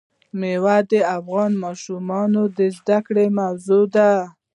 مېوې د افغان ماشومانو د زده کړې موضوع ده.